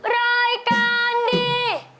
รายการดี